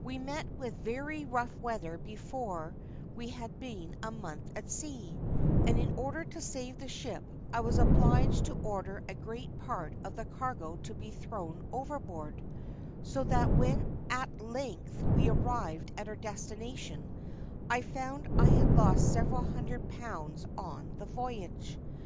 We met with very rough weather before we had been a month at sea, and in order to save the ship I was obliged to order a great part of the cargo to be thrown overboard, so that when at length we arrived at our destination I found I had lost several hundred pounds on the voyage.